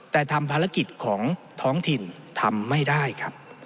แต่ทำภารกิจของท้องถิ่นทำไม่ได้ครับ